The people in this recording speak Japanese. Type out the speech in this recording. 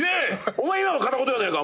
お前今の片言やないか！？